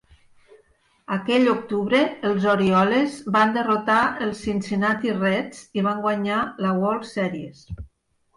Aquell octubre, els Orioles van derrotar els Cincinnati Reds i van guanyar la World Series.